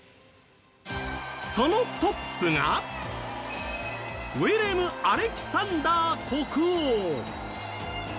そのトップがウィレム・アレキサンダー国王。